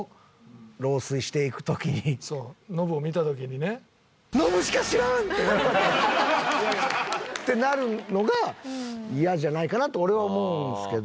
そうノブを見た時にね。ってなるのが嫌じゃないかなと俺は思うんですけど。